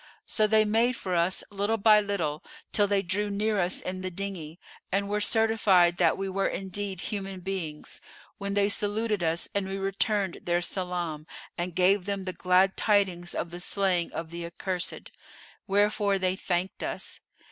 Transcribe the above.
So they made for us, little by little, till they drew near us in the dinghy[FN#444] and were certified that we were indeed human beings, when they saluted us and we returned their salam and gave them the glad tidings of the slaying of the accursed, wherefore they thanked us.